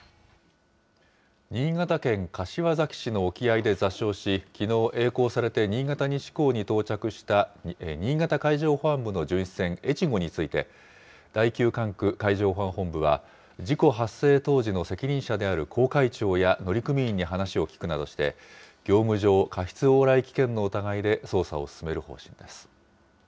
新潟県柏崎市の沖合で座礁し、きのう、えい航されて新潟西港に到着した新潟海上保安部の巡視船えちごについて、第９管区海上保安本部は、事故発生当時の責任者である航海長や乗組員に話を聞くなどして、業務上過失往来危険の疑いで捜査を進める方針です。